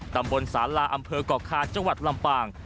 ตำบลสาลาอำเภอก่อคาจังหวัดลำปาง